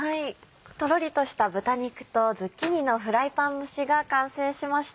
とろりとした豚肉とズッキーニのフライパン蒸しが完成しました。